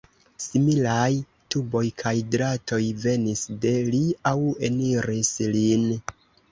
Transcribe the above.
Similaj tuboj kaj dratoj venis de li aŭ eniris lin.